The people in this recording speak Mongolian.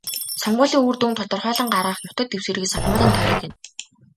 Сонгуулийн үр дүнг тодорхойлон гаргах нутаг дэвсгэрийг сонгуулийн тойрог гэнэ.